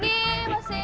wih solin banget sih